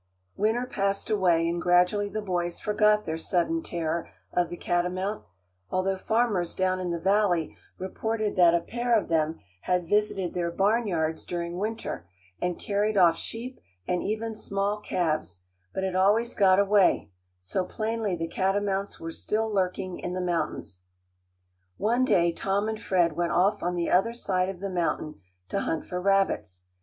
Winter passed away, and gradually the boys forgot their sudden terror of the catamount, although farmers down in the valley reported that a pair of them had visited their barn yards during winter and carried off sheep and even small calves, but had always got away; so plainly the catamounts were still lurking in the mountains. One day Tom and Fred went off on the other side of the mountain to hunt for rabbits.